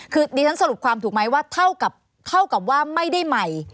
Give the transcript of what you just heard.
คือดิฉันสรุปความถูกไหมว่าเท่ากับว่าไม่ได้ใหม่